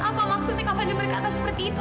apa maksudnya kak fadil berkata seperti itu